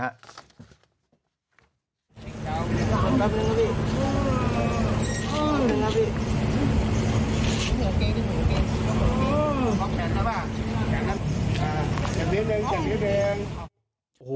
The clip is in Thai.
จัดนิดหนึ่งจัดนิดหนึ่ง